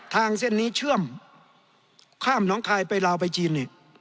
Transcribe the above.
เส้นนี้เชื่อมข้ามน้องคายไปลาวไปจีนเนี่ย